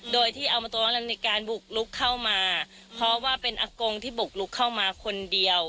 โดยที่เอามาตรงนั้นในการบุกลุกเข้ามาเพราะว่าเป็นอากงที่บุกลุกเข้ามาคนเดียว